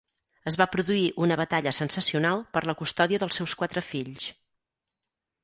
Es va produir una batalla sensacional per la custòdia dels seus quatre fills.